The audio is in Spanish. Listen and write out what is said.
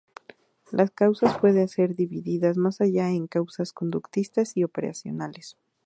Las causas pueden ser divididas más allá en causas conductistas y operacionales.